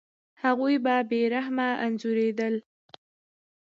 هغوی به بې رحمه انځورېدل.